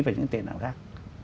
và những tệ nạn khác